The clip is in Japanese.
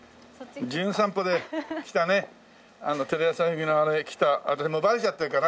『じゅん散歩』で来たねテレビ朝日のあれ来たもうバレちゃってるかな？